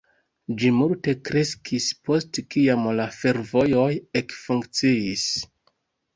Ĝi multe kreskis post kiam la fervojoj ekfunkciis.